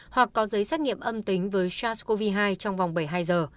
hoặc có giấy xét nghiệm âm tính với sars cov hai trong vòng bảy mươi hai giờ